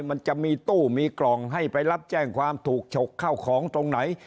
มันจะมีตู้มีกล่องให้ไปรับแจ้งความถูกฉกเข้าของตรงไหน